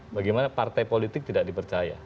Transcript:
bagaimana partai politik tidak dipercaya